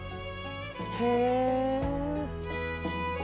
へえ。